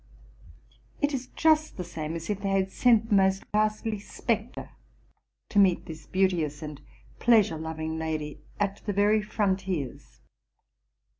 It is just the same as if they had sent the most ghastly spectre to meet this beauteous and pleasure loving lady at the very frontiers!